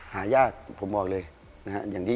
หายากผมบอกเลย